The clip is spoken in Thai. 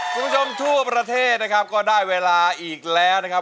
คุณผู้ชมทั่วประเทศนะครับก็ได้เวลาอีกแล้วนะครับ